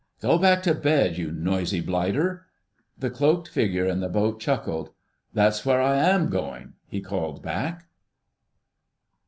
"Go back to bed, you noisy blighter!" The cloaked figure in the boat chuckled. "That's where I am going," he called back.